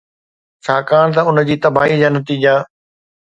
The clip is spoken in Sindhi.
ڇاڪاڻ ته ان جي تباهي جا نتيجا